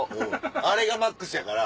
あれがマックスやから。